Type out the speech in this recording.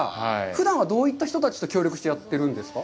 ふだんはどういった人たちと協力してやってるんですか？